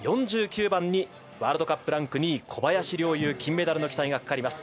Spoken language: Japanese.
４９番にワールドカップランク２位小林陵侑、金メダルの期待。